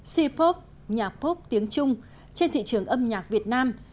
c pop nhạc pop tiếng trung trên thị trường âm nhạc việt nam